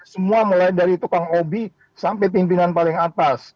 semua mulai dari tukang obi sampai pimpinan paling atas